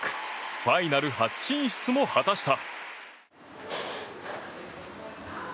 ファイナル初進出も果たした。